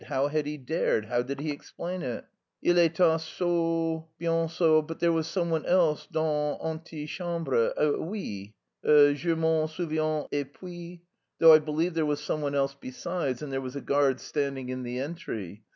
How had he dared? How did he explain it? "Il etait seul, bien seul, but there was someone else dans l'antichambre, oui, je m'en souviens, et puis... Though I believe there was someone else besides, and there was a guard standing in the entry.